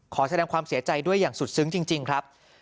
ขอแสดงความเสียใจด้วยอย่างสุดซึ้งจริงครับ